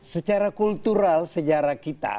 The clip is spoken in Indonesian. secara kultural sejarah kita